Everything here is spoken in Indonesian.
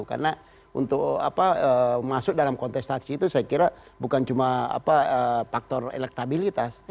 karena untuk masuk dalam kontestasi itu saya kira bukan cuma faktor elektabilitas